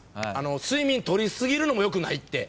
睡眠取りすぎるのもよくないって。